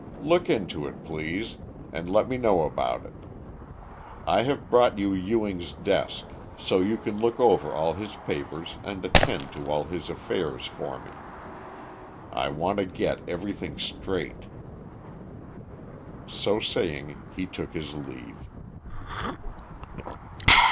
Look into it, please, and let me know about it. I have brought you Ewing's desk, so you can look over all his papers and attend to all his affairs for me. I want to get everything straight." So saying he took his leave.